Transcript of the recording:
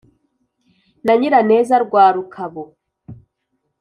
na nyiraneza rwa rukabu